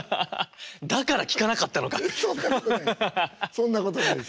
そんなことないです。